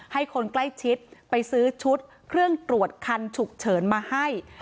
ให้คนใกล้ชิดไปซื้อชุดเครื่องตรวจคันฉุกเฉินมาให้